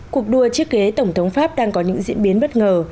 cuộc đua chiếc ghế tổng thống pháp đang có những diễn biến bất ngờ